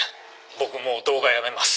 僕もう動画やめます。